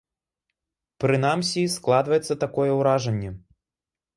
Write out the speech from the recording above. Прынамсі, складваецца такое ўражанне.